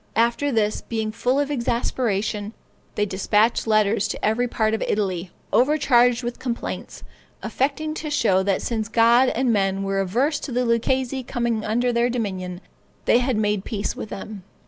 After this, being full of exasperation, they despatched letters to every part of Italy, overcharged with complaints, affecting to show that since God and men were averse to the Lucchese coming under their dominion, they had made peace with them.